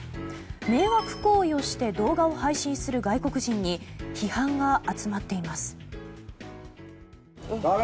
迷惑行為をして動画を配信する外国人に批判が集まっています。